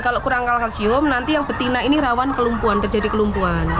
kalau kurang kalsium nanti yang betina ini rawan kelumpuhan terjadi kelumpuan